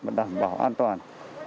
và đảm bảo an toàn